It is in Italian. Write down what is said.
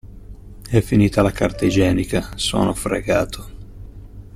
È finita la carta igienica, sono fregato!